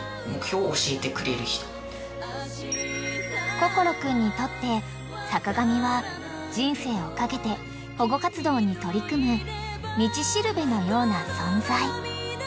［心君にとって坂上は人生を懸けて保護活動に取り組む道しるべのような存在］